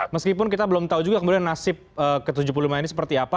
meskipun kita belum tahu juga kemudian nasib ke tujuh puluh lima ini seperti apa